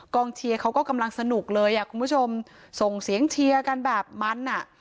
เชียร์เขาก็กำลังสนุกเลยอ่ะคุณผู้ชมส่งเสียงเชียร์กันแบบมันอ่ะ